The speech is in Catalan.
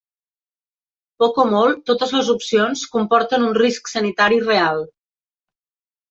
Poc o molt, totes les opcions comporten un risc sanitari real.